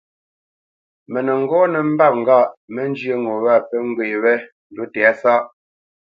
Mə nə́ ŋgɔ́ nə́ mbâp ŋgâʼ mə́ njyə́ ŋo wâ pə́ ŋgwê wé ndǔ tɛ̌sáʼ,